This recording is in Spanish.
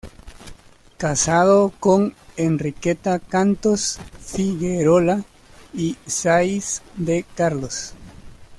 Casado con Enriqueta Cantos Figuerola y Sáiz de Carlos.